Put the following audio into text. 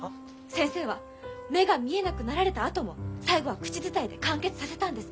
先生は目が見えなくなられたあとも最後は口伝えで完結させたんです！